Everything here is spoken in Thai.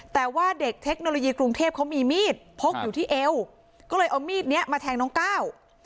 แต่ว่าเด็กเทคโนโลยีกรุงเทพเขามีมีดพกอยู่ที่เอวก็เลยเอามีดเนี้ยมาแทงน้องก้าว